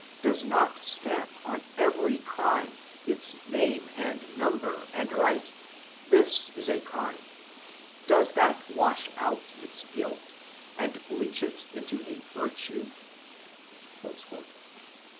119 does not stamp on every crime its name and numher^ and write — this is a crime, does that wash out its guilt and bleach it into a virtue?"